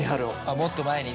もっと前にね。